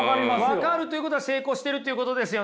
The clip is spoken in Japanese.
分かるということは成功してるっていうことですよね。